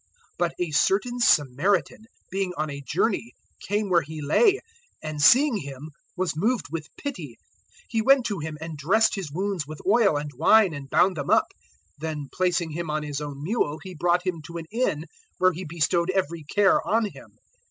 010:033 But a certain Samaritan, being on a journey, came where he lay, and seeing him was moved with pity. 010:034 He went to him, and dressed his wounds with oil and wine and bound them up. Then placing him on his own mule he brought him to an inn, where he bestowed every care on him.